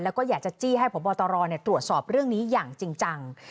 แล้วก็อยากจะจี้ให้พบตรตรวจสอบเรื่องนี้อย่างจริงจัง